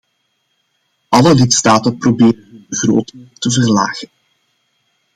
Alle lidstaten proberen hun begrotingen te verlagen.